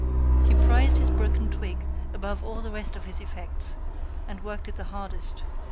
He prized his broken twig above all the rest of his effects, and worked it the hardest.